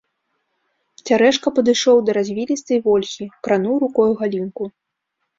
Цярэшка падышоў да развілістай вольхі, крануў рукою галінку.